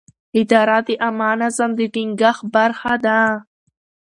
اداره د عامه نظم د ټینګښت برخه ده.